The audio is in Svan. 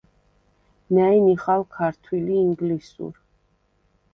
ნა̈ჲ ნიხალ ქართვილ ი ინგლისურ.